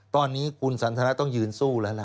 ตอนนี้คุณสันทนาต้องยืนสู้แล้วล่ะ